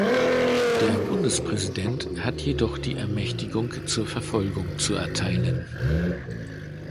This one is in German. Der Bundespräsident hat jedoch die Ermächtigung zur Verfolgung zu erteilen.